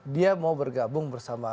dia mau bergabung bersama